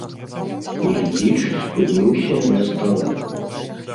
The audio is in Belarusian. Ільіч спыніўся ля стала.